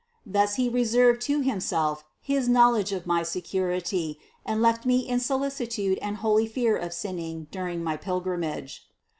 Thus He reserved to Himself his knowledge of my security, and left me in solicitude and holy fear of sinning during my pilgrimage.